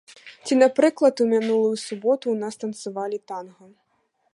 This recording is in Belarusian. Ці, напрыклад, у мінулую суботу ў нас танцавалі танга.